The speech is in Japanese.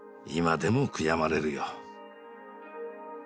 今でも悔やまれるよ。